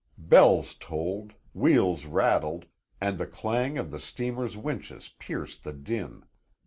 Bells tolled, wheels rattled, and the clang of the steamer's winches pierced the din.